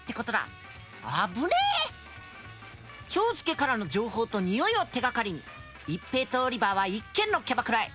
チョウスケからの情報と匂いを手がかりに一平とオリバーは一軒のキャバクラへ。